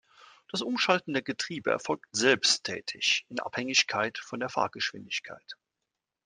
Das Umschalten der Getriebe erfolgt selbsttätig, in Abhängigkeit von der Fahrgeschwindigkeit.